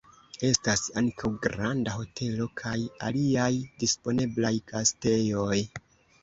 Estas ankaŭ granda hotelo kaj aliaj disponeblaj gastejoj.